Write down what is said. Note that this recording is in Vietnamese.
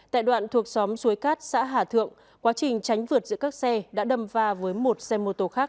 tại đoạn thuộc xóm xuối cát xã hà thượng quá trình tránh vượt giữa các xe đã đâm va với một xe mô tô khác